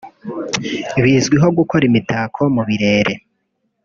Bazwiho gukora Imitako mu birere